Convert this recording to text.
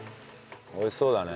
美味しそうだね。